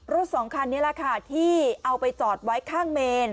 สองคันนี้แหละค่ะที่เอาไปจอดไว้ข้างเมน